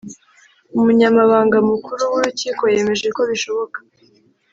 Umunyamabanga mukuru w urukiko yemeje ko bishoboka